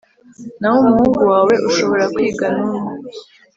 Naho umuhungu wawe ushobora kwiga numwe